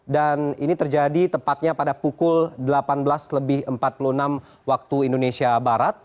dan ini terjadi tepatnya pada pukul delapan belas lebih empat puluh enam waktu indonesia